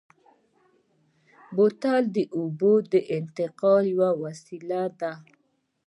بوتل د اوبو د انتقال یوه وسیله ده.